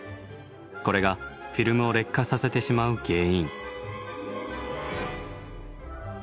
これがフィルムを劣化させてしまう原因。